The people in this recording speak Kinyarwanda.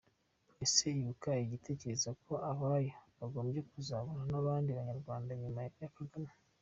Ese Ibuka ijya itekereza ko “abayo” bagombye kuzabana n’abandi banyarwanda nyuma ya Kagame?